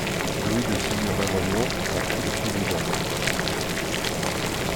Louis de Ségur-Lamoignon en fut le président.